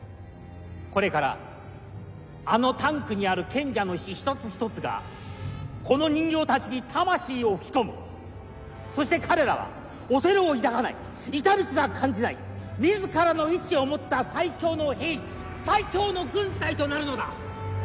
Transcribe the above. これからあのタンクにある賢者の石一つ一つがこの人形達に魂を吹き込むそして彼らは恐れを抱かない痛みすら感じない自らの意志を持った最強の兵士最強の軍隊となるのだ！